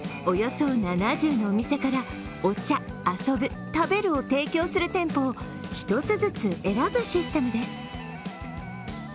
およそ７０のお店からお茶、遊ぶ、食べるを提供する店舗を１つずつ選ぶシステムです。